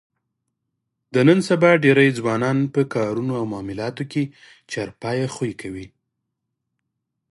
د نن سبا ډېری ځوانان په کارونو او معاملاتو کې چارپایه خوی کوي.